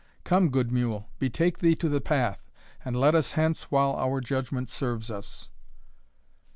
Come, good mule, betake thee to the path, and let us hence while our judgment serves us."